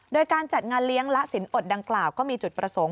โดยการจัดงานเลี้ยงและสินอดดังกล่าวก็มีจุดประสงค์